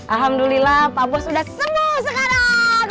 alhamdulillah pak bos udah sembuh sekarang